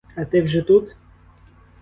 А ти вже тут?